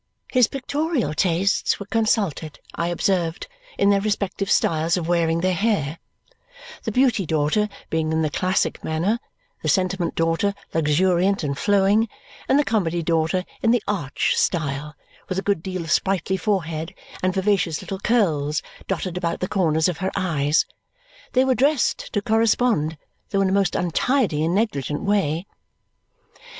His pictorial tastes were consulted, I observed, in their respective styles of wearing their hair, the Beauty daughter being in the classic manner, the Sentiment daughter luxuriant and flowing, and the Comedy daughter in the arch style, with a good deal of sprightly forehead, and vivacious little curls dotted about the corners of her eyes. They were dressed to correspond, though in a most untidy and negligent way.